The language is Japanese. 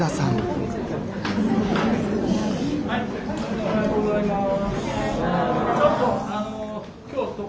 おはようございます。